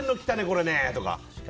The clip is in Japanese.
これ、とか。